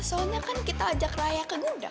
soalnya kan kita ajak raya ke gudang